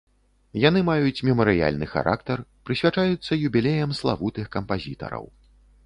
Яны маюць мемарыяльны характар, прысвячаюцца юбілеям славутых кампазітараў.